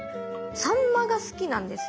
サンマが好きなんですよ。